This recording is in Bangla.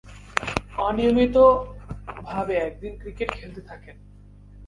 অনিয়মিতভাবে একদিনের ক্রিকেটে খেলতে থাকেন।